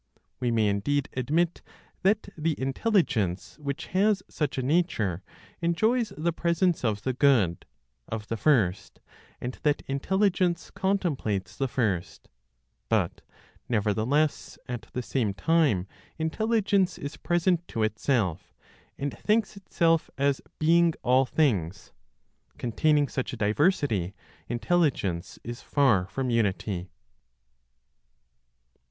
We may indeed admit that the intelligence which has such a nature enjoys the presence of the Good, of the First, and that intelligence contemplates the First; but nevertheless at the same time intelligence is present to itself, and thinks itself as being all things. Containing such a diversity, intelligence is far from unity.